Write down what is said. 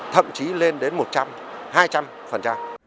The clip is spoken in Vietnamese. thậm chí lên đến một trăm linh hai trăm linh